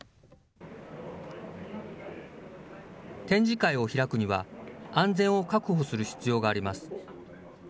展示会を開くには、安全を確保する必要があります。